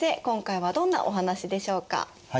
今回はどんなお話でしょうか？